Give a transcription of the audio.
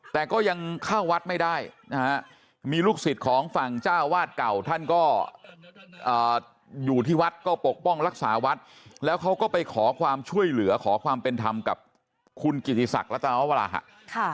แต่ก็ยังเข้าวัดไม่ได้นะฮะมีลูกศิษย์ของฝั่งเจ้าวาดเก่าท่านก็อยู่ที่วัดก็ปกป้องรักษาวัดแล้วเขาก็ไปขอความช่วยเหลือขอความเป็นธรรมกับคุณกิติศักดิรัตนวราหะ